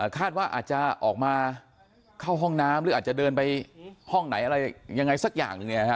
คาดว่าอาจจะออกมาเข้าห้องน้ำหรืออาจจะเดินไปห้องไหนอะไรยังไงสักอย่างหนึ่ง